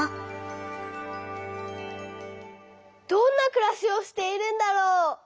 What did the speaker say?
どんなくらしをしているんだろう？